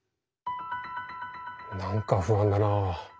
何か不安だな。